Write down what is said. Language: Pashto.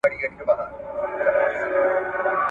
ډېر بېحده ورته ګران وو نازولی !.